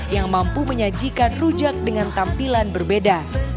yang mampu menyajikan rujak dengan tampilan berbeda